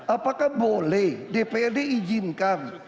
apakah boleh dpd izinkan